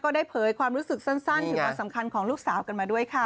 ได้เผยความรู้สึกสั้นถึงความสำคัญของลูกสาวกันมาด้วยค่ะ